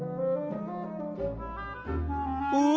お？